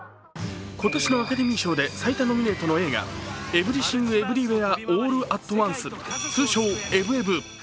今年のアカデミー賞で最多ノミネートの映画、「エブリシング・エブリウェア・オール・アット・ワンス」、通称「エブエブ」。